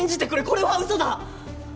これは嘘だ！